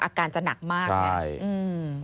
อาการจะหนักมากเนี่ยใช่